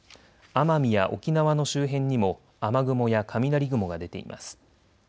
奄美や沖縄の周辺にも雨雲や雷雲が出ています。